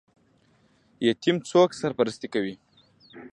یتیم څوک سرپرستي کوي؟